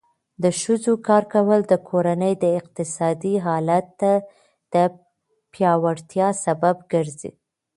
د ښځو کار کول د کورنۍ د اقتصادي حالت د پیاوړتیا سبب ګرځي.